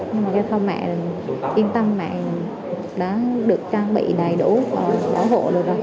nhưng mà cho thông mẹ yên tâm mẹ đã được trang bị đầy đủ bảo hộ được rồi